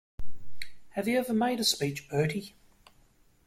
Have you ever made a speech, Bertie?